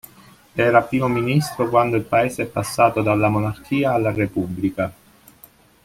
Era primo ministro quando il Paese è passato dalla monarchia alla repubblica.